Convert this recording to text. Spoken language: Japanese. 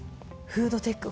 フードテック